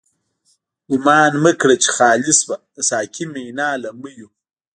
گومان مکړه چی خالی شوه، د ساقی مینا له میو